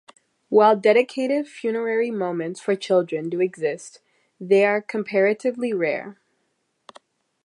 While dedicated funerary monuments for children do exist, they are comparatively rare.